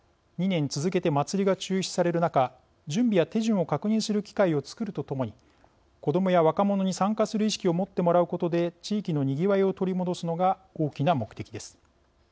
２年続けて祭りが中止される中準備や手順を確認する機会をつくるとともに子どもや若者に参加する意識を持ってもらうことで地域のにぎわいを取り戻すのが大きな目的です。